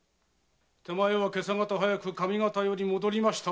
手前は今朝がた早く上方より戻りましたばかり。